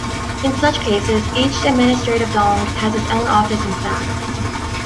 In such cases, each administrative "dong" has its own office and staff.